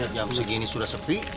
jam segini sudah sepi